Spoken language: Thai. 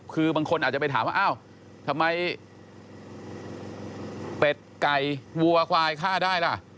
คือบางคนอาจจะไปถามว่าอ้าวทำไมเป็ดไก่วัวควายฆ่าได้ล่ะ